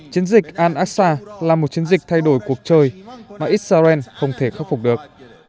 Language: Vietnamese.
chiến dịch al aqsa là một chiến dịch thay đổi cuộc chơi mà israel không thể khắc phục được